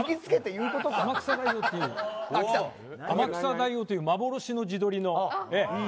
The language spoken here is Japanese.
天草大王という幻の地鶏の。